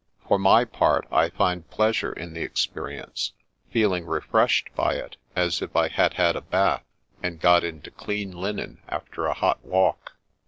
For my part, I find pleasure in the experi ence, feeling refreshed by it, as if I had had a bath, and got into clean linen after a hot walk.